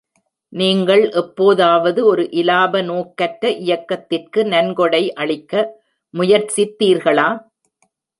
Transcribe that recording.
நீங்கள் எப்போதாவது ஒரு இலாப நோக்கற்ற இயக்கத்திற்கு நன்கொடை அளிக்க முயற்சித்தீர்களா?